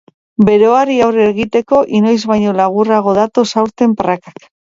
Beroari aurre egiteko, inoiz baino laburrago datoz aurten prakak.